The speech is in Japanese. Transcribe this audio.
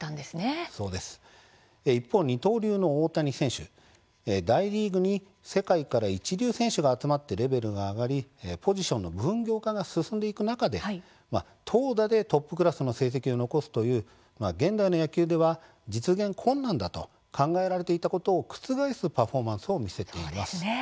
一方、二刀流の大谷選手大リーグに世界から一流選手が集まってレベルが上がりポジションの分業化が進んでいく中で投打で、トップクラスの成績を残すという現代の野球では実現困難だと考えられていたことを覆すパフォーマンスを見せています。